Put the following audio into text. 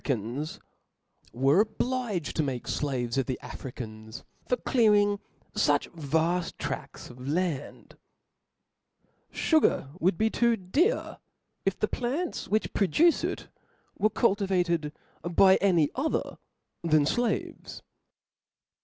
'^ caus, were obliged to make flaves of the Africans, ^ap* $• for clearing fuch vaft trafts of land. Sugar would be too dear, if the plants which produce it were cultivated by any other than flaves.